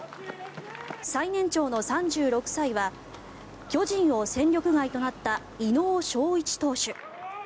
最年長の３６歳は巨人を戦力外となった井納翔一投手。